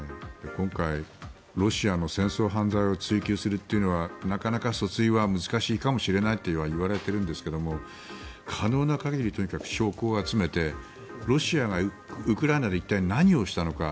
今回、ロシアの戦争犯罪を追及するというのはなかなか訴追は難しいかもしれないとはいわれていますが可能な限りとにかく証拠を集めてロシアがウクライナで一体何をしたのか。